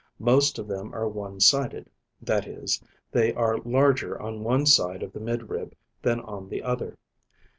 Most of them are one sided, that is, they are larger on one side of the mid rib than on the other.